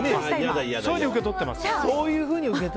そういうふうに受け取ってます。